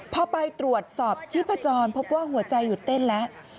พอไปตรวจสอบชีพจรพบว่าหัวใจหยุดเต้นแล้ว